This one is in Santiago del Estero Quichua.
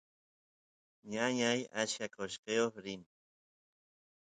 ñañay achka qoshqeo rin